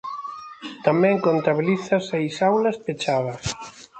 Tamén contabiliza seis aulas pechadas.